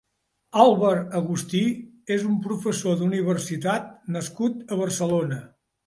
Alvar Agusti és un professor d'universitat nascut a Barcelona.